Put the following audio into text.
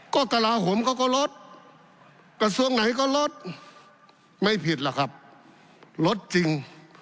ก็กระลาโหมเขาก็ลดกระทรวงไหนก็ลดไม่ผิดหรอกครับลดจริง